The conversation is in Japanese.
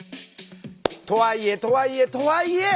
とはいえとはいえとはいえ！